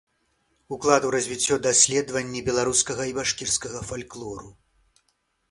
Уклад у развіццё даследаванні беларускага і башкірскага фальклору.